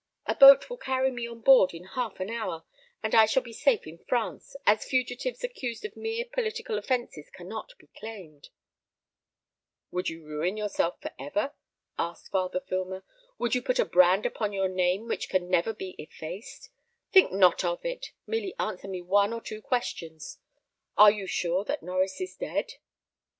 A boat will carry me on board in half an hour, and I shall be safe in France, as fugitives accused of mere political offences cannot be claimed." "Would you ruin yourself for ever?" asked Father Filmer; "would you put a brand upon your name which can never be effaced? Think not of it; merely answer me one or two questions. Are you sure that Norries is dead?"